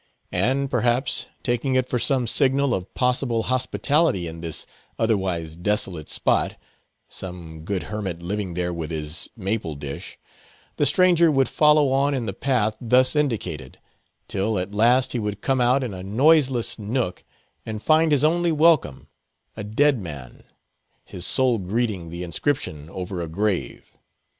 And, perhaps, taking it for some signal of possible hospitality in this otherwise desolate spot—some good hermit living there with his maple dish—the stranger would follow on in the path thus indicated, till at last he would come out in a noiseless nook, and find his only welcome, a dead man—his sole greeting the inscription over a grave.